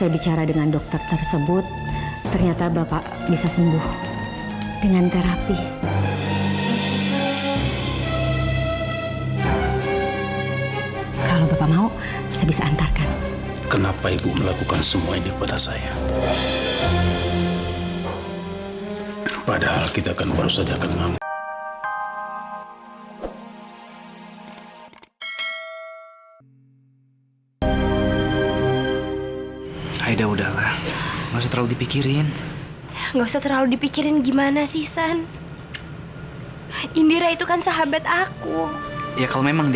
padahal kita kan baru saja kenang